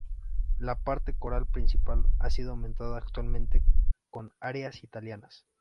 La parte coral principal ha sido aumentada actualmente con arias italianas.